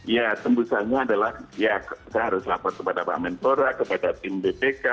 ya tembusannya adalah ya saya harus lapor kepada pak mentora kepada tim bpk